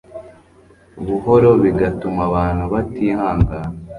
buhoro bigatuma abantu batihangana